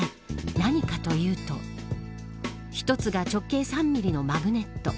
何かというと一つが直径３ミリのマグネット。